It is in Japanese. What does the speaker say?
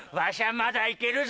まだいけるぞ！